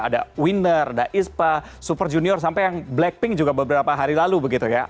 ada winner ada ispa super junior sampai yang blackpink juga beberapa hari lalu begitu ya